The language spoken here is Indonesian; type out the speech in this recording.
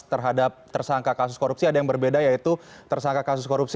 terhadap tersangka kasus korupsi ada yang berbeda yaitu tersangka kasus korupsi